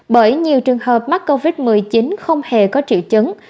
bởi nhiều trường hợp mắc covid một mươi chín không hề có triệu chứng